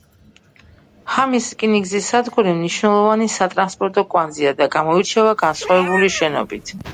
ჰამის რკინიგზის სადგური მნიშვნელოვანი სატრანსპორტო კვანძია და გამოირჩევა განსხვავებული შენობით.